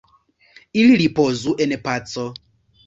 Ili ripozu en paco.